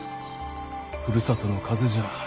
ふるさとの風じゃ。